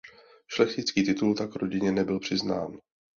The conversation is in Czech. Šlechtický titul tak rodině nebyl přiznán.